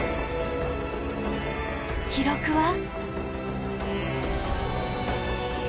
記録は？